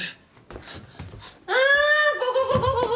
あぁここここここ。